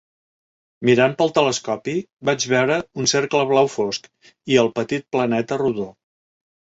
Mirant pel telescopi, vaig veure un cercle blau fosc i el petit planeta rodó.